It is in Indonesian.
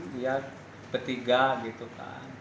dia bertiga gitu kan